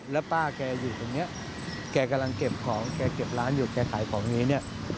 แล้วป้าแกอยู่ตรงนี้แกกำลังเก็บของแกเก็บร้านอยู่แกขายของอย่างนี้เนี่ย